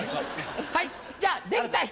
じゃあできた人！